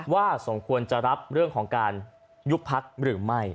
ว่าสมควรจะรับเรื่องของการยุปภักดิ์รึไม่